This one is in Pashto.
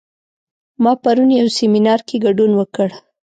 ما پرون یو سیمینار کې ګډون وکړ